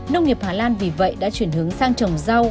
nông nghiệp hà lan vì vậy đã chuyển hướng sang trồng rau